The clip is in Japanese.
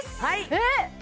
えっ？